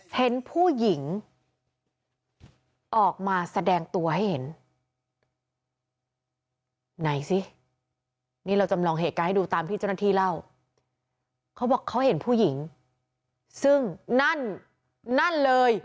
เห็นผู้หญิงออกมาแสดงตัวให้เห็นไหนสินี่เราจำลองเหตุการณ์ให้ดูตามที่เจ้าหน้าที่เล่าเขาบอกเขาเห็นผู้หญิงซึ่งนั่นนั่นเลย